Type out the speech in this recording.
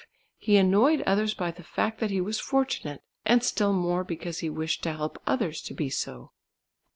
He annoyed others by the fact that he was fortunate, and still more because he wished to help others to be so.